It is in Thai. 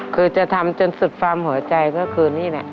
คือจะทำจนสุดฟาร์มหัวใจก็คือนี่แหละ